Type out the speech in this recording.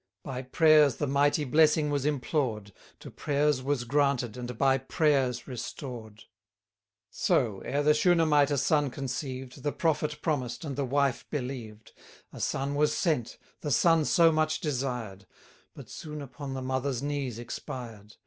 By prayers the mighty blessing was implored, To prayers was granted, and by prayers restored. So, ere the Shunamite a son conceived, 250 The prophet promised, and the wife believed. A son was sent, the son so much desired; But soon upon the mother's knees expired.